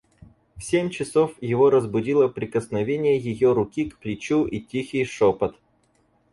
В семь часов его разбудило прикосновение ее руки к плечу и тихий шопот.